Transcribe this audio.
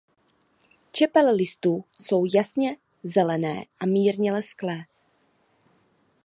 Čepele listů jsou jasně zelené a mírně lesklé.